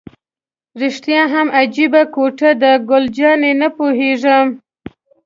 رښتیا هم عجیبه کوټه ده، ګل جانې: نه پوهېږم.